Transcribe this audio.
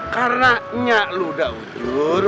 karena nya ludah udur